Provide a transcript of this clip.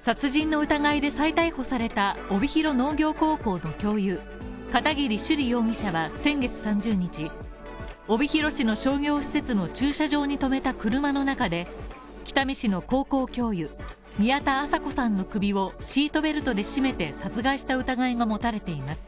殺人の疑いで再逮捕された帯広農業高校の教諭・片桐朱璃容疑者は先月３０日、帯広市の商業施設の駐車場にとめた車の中で北見市の高校教諭、宮田麻子さんの首をシートベルトで締めて殺害した疑いが持たれています。